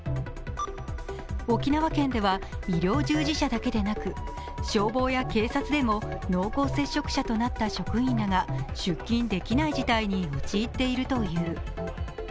沖縄県では医療従事者だけでなく消防や警察でも濃厚接触者となった職員らが出勤できない事態に陥っているという。